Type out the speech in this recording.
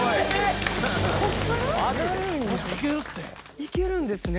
いけるんですね。